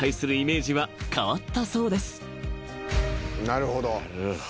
なるほど。